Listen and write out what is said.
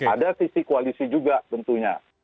ada sisi koalisi juga tentunya